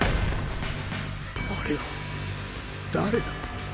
あれは誰だ？